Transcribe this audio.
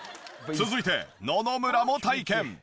続いて野々村も体験。